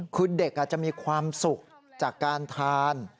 คือเด็กอาจจะมีความสุขจากการทาน